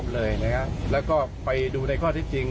แล้วก็ไปดูในข้อที่จริง